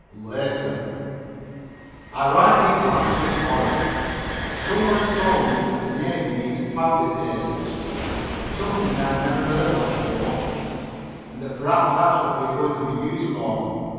(Later) I write these lines with horror. Some one has told me that the Navy needs Powder tasters, something I'd never heard of before, and that perhaps that's what we are going to be used for.